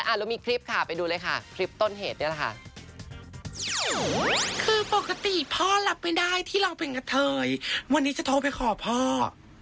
แล้วมีคลิปค่ะไปดูเลยค่ะคลิปต้นเหตุเนี่ยแหละค่ะ